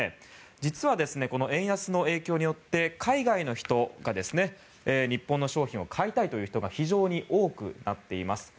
実は、円安の影響によって海外の人が日本の商品を買いたいという人が非常に多くなっています。